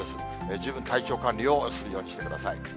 十分体調管理をするようにしてください。